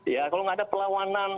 ya kalau nggak ada perlawanan